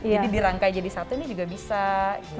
jadi dirangkai jadi satu ini juga bisa gitu